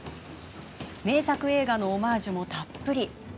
名作映画のオマージュもたっぷり。